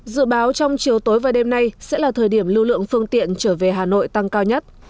dự báo trong chiều tối và đêm nay sẽ là thời điểm lưu lượng phương tiện trở về hà nội tăng cao nhất